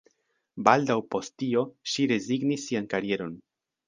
Baldaŭ post tio, ŝi rezignis sian karieron.